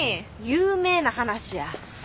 有名な話や。